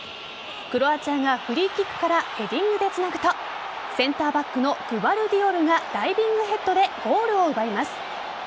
クロアチアがフリーキックからヘディングでつなぐとセンターバックのグヴァルディオルがダイビングヘッドでゴールを奪います。